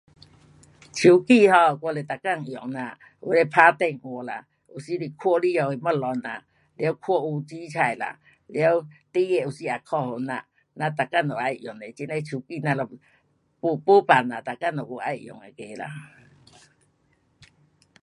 手机哈，我是每天用啦，有那打电话啦，有时是看里下的东西呐，完，看有煮菜啦，完，孩儿有时也打给咱。咱要用这那手机，没办呐每天都要用那个啦。